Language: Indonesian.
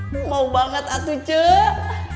mau banget atu cuk